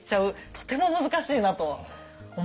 とても難しいなと思ってます